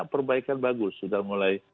perbaikan bagus sudah mulai